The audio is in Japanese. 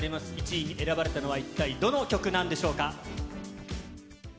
１位に選ばれたのは一体どの曲なんでしょうか。